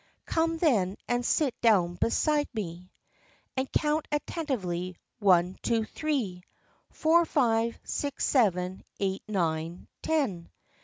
Come, then, and sit down beside me, And count attentively, one, two, three, Four, five, six, seven, eight, nine, ten.